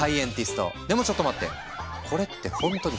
でもちょっと待って！